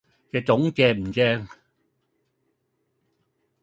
隻糉正唔正